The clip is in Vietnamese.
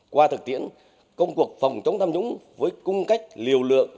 qua thực tiễn công cuộc phòng chống tham nhũng với cung cách liều lượng